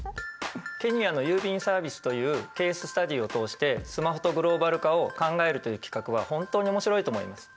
ケニアの郵便サービスというケーススタディーを通してスマホとグローバル化を考えるという企画は本当に面白いと思います。